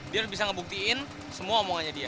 dia bisa ngebuktiin semua omongannya dia